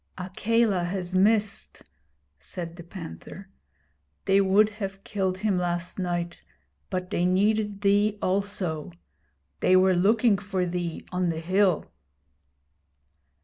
'Akela has missed,' said the Panther. 'They would have killed him last night, but they needed thee also. They were looking for thee on the hill.'